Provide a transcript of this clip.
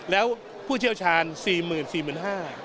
แล้วผู้เชี่ยวชาญ๔หมื่น๔หมื่น๕